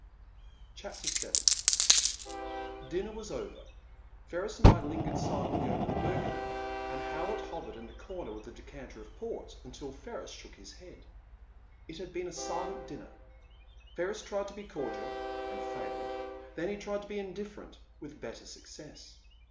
It was Ferris. VII. DINNER was over. Ferris and I lingered silently over the Burgundy, and Hewlett hovered in the comer with a decanter of port until Ferris shook his head. It had been a silent dinner. Ferris tried to be cordial, and failed. Then he tried to be indiffer ent, with better success.